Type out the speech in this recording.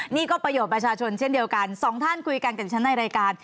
นี่ก็ประโยชน์ประชาชนเช่นเดียวกันสองท่านคุยกันกับดิฉันในรายการ